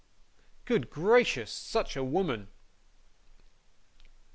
Good gracious, such a woman!